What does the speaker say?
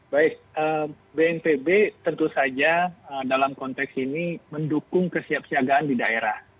baik bnpb tentu saja dalam konteks ini mendukung kesiapsiagaan di daerah